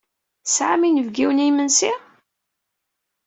Tesɛam inebgiwen i yimensi?